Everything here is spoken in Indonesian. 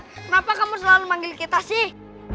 kenapa kamu selalu manggil kita sih